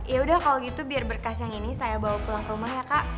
ya udah kalau gitu biar berkas yang ini saya bawa pulang ke rumah ya kak